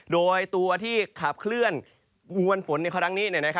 โดยตัวที่ขับเคลื่อนมวลฝนในครั้งนี้